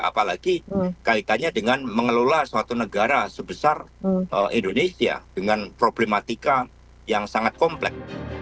apalagi kaitannya dengan mengelola suatu negara sebesar indonesia dengan problematika yang sangat komplek